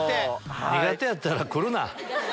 苦手やったら来るな。